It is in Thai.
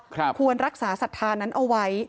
ควรรักษาศรัทธานั้นเอาไว้